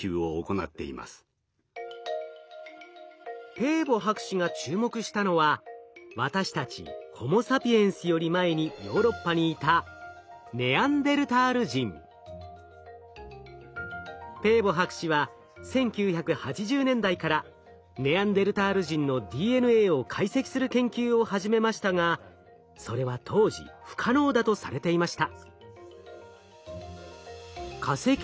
ペーボ博士が注目したのは私たちホモ・サピエンスより前にヨーロッパにいたペーボ博士は１９８０年代からネアンデルタール人のＤＮＡを解析する研究を始めましたがそれは当時不可能だとされていました。